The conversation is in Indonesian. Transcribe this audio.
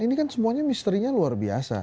ini kan semuanya misterinya luar biasa